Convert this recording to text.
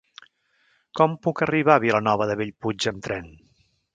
Com puc arribar a Vilanova de Bellpuig amb tren?